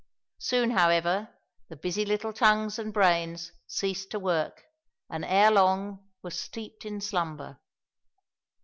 Soon, however, the busy little tongues and brains ceased to work, and ere long were steeped in slumber.